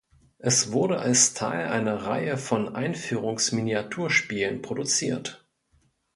Es wurde als Teil einer Reihe von Einführungsminiaturenspielen produziert.